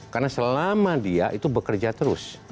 karena selama dia itu bekerja terus